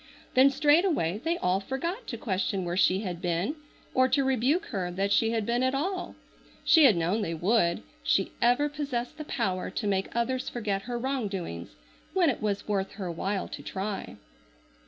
Then straightway they all forgot to question where she had been or to rebuke her that she had been at all. She had known they would. She ever possessed the power to make others forget her wrong doings when it was worth her while to try.